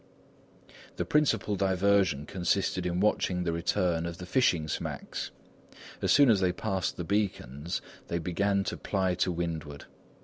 The principal diversion consisted in watching the return of the fishing smacks. As soon as they passed the beacons, they began to ply to windward.